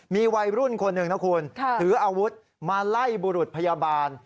มีวัยรุ่นคนหนึ่งนะคุณถืออาวุธมาไล่บุรุษพยาบาล